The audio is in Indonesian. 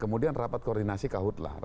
kemudian rapat koordinasi kahutlah